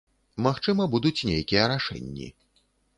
Магчыма, будуць нейкія рашэнні.